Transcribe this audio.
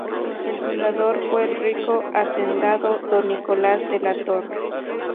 El fundador fue el rico hacendado Don Nicolás de la Torre.